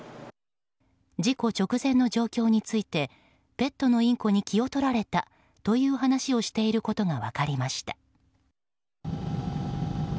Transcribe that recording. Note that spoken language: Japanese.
事故直前の状況についてペットのインコに気をとられたという話をしていることが分かりました。